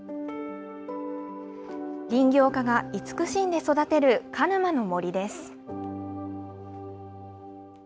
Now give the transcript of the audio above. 林業家が慈しんで育てる鹿沼の森です。